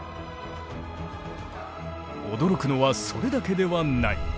驚くのはそれだけではない。